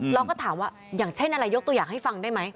เราก็ถามว่าอย่างเช่นอะไรยกตัวอย่างให้ฟังได้ไหม